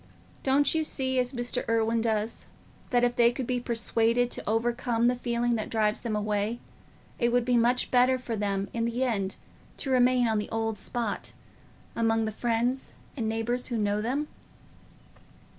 Don't you see, as Mr. Irwine does, that if they could be persuaded to overcome the feeling that drives them away, it would be much better for them in the end to remain on the old spot, among the friends and neighbours who know them?"